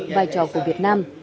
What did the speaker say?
vai trò của việt nam